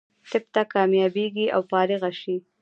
طب ته کامیابېږي او فارغه شي.